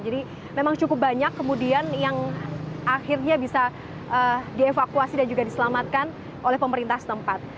jadi memang cukup banyak kemudian yang akhirnya bisa dievakuasi dan juga diselamatkan oleh pemerintah setempat